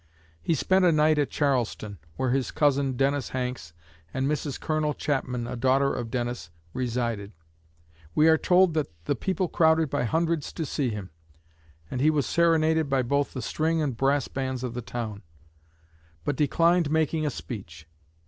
He spent a night at Charleston, where his cousin Dennis Hanks, and Mrs. Colonel Chapman, a daughter of Dennis, resided. We are told that "the people crowded by hundreds to see him; and he was serenaded by 'both the string and brass bands of the town, but declined making a speech."